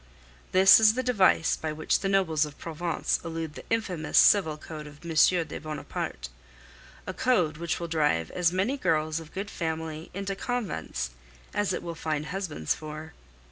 This is the device by which the nobles of Provence elude the infamous Civil Code of M. de Bonaparte, a code which will drive as many girls of good family into convents as it will find husbands for.